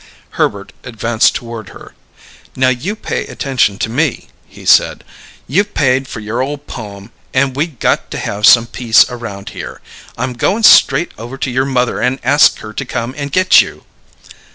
Herbert advanced toward her. "Now you pay attention, to me," he said. "You've paid for your ole poem, and we got to have some peace around here. I'm goin' straight over to your mother and ask her to come and get you."